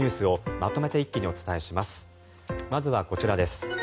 まずはこちらです。